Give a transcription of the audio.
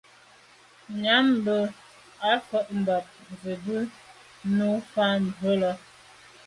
Nyəèm bə́ â mvɔ̂k mbàp zə̄ bú nǔ fá mbrʉ́ lɑ́.